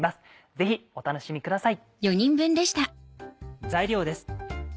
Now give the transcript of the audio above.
ぜひお楽しみください。